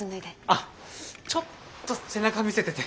あちょっと背中見せてて。